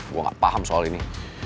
gue gak paham soal ini